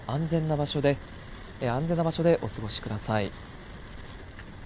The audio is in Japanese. このあとも安全な場所でお過ごしください。